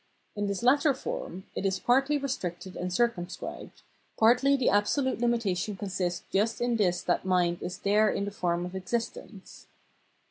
In this latter form it is partly restricted and circumscribed, partly the absolute limita tion consists just in this that mind is there in the form of existence.